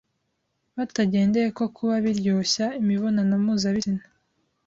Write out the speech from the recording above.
batagendeye ku kuba biryoshya imibonano mpuzabitsina